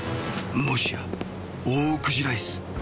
もしやオオクジライス？